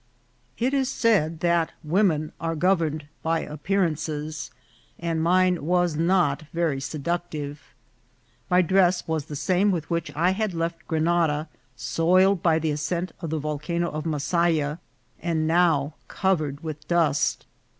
It is said that women are governed by appearances, and mine was not very seductive. My dress was the same with which I had left Grenada, soiled by the as cent of the Volcano of Masaya, and now covered with dust.